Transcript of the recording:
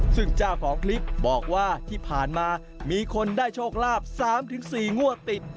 ซึ่งเจ้าของคลิปบอกว่าที่ผ่านมามีคนได้โชคลาภ๓๔งวดติด